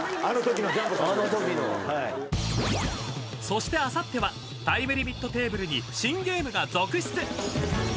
［そしてあさってはタイムリミットテーブルに新ゲームが続出！］